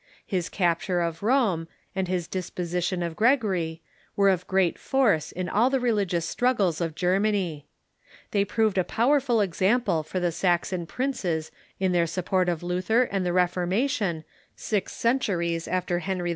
His capture of Rome, and his disposition of Gregory, were of great force in all the religious struggles of Germany. They proved a powerful ex ample for the Saxon princes in their support of Luther and the Refoi'mation six centuries after Henry IV.